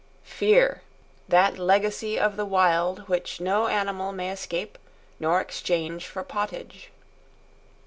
Fear!—that legacy of the Wild which no animal may escape nor exchange for pottage.